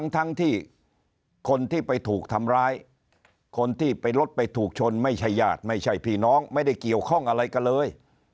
ทั้งที่คนที่ไปถูกทำร้ายคนที่ไปรถไปถูกชนไม่ใช่ญาติไม่ใช่พี่น้องไม่ได้เกี่ยวข้องอะไรกันเลย